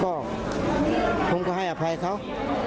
ก็ผมก็ให้อภัยเขา